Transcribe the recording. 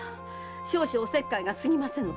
少々おせっかいが過ぎませぬか？